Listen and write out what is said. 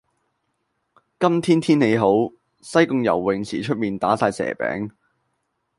今日天氣好，西貢游泳池出面打晒蛇餅。